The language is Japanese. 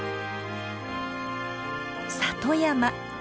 「里山」。